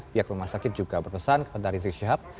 pihak rumah sakit juga berpesan kepada rizik syihab